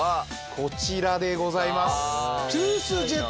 こちらでございます。